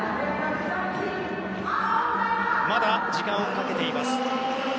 まだ時間をかけています。